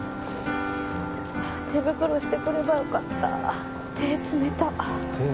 ああ手袋してくればよかった手冷たっ